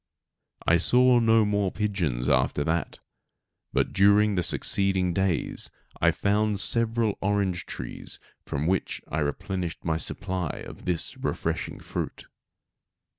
I saw no more pigeons after that, but during the succeeding days I found several orange trees from which I replenished my supply of this refreshing fruit.